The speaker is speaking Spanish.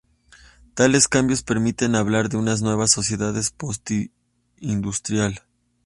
Tales cambios permiten hablar de una nueva sociedad postindustrial.